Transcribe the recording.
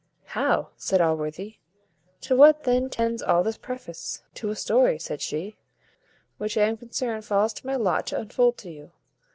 "How!" said Allworthy, "to what then tends all this preface?" "To a story," said she, "which I am concerned falls to my lot to unfold to you.